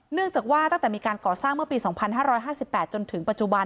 เนื่องจากว่าตั้งแต่มีการก่อสร้างเมื่อปี๒๕๕๘จนถึงปัจจุบัน